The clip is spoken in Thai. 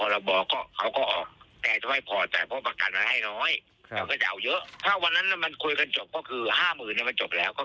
เราก็อยากให้อยู่แล้วแล้วเราไม่อยากมีเรื่องอยู่หนา